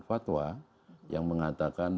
fatwa yang mengatakan